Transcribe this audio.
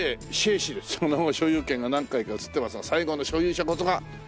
「その後所有権が何回か移っていますが最後の所有者こそが昭和」